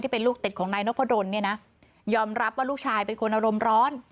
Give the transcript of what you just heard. เป็นลูกติดของนายนพดลเนี่ยนะยอมรับว่าลูกชายเป็นคนอารมณ์ร้อน